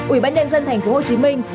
ủy ban nhân dân tp hcm